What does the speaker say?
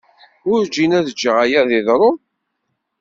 Werǧin ad ǧǧeɣ aya ad d-yeḍru.